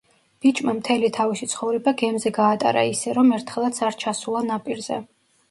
ბიჭმა მთელი თავისი ცხოვრება გემზე გაატარა ისე, რომ ერთხელაც არ ჩასულა ნაპირზე.